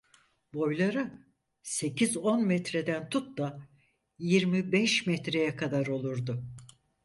Boyları sekiz on metreden tut da, yirmi beş metreye kadar olurdu.